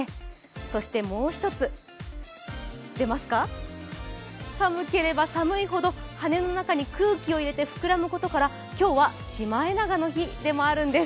そしてもう一つ、寒ければ寒いほど羽の中に空気を入れて膨らむことから、今日はシマエナガの日でもあるんです。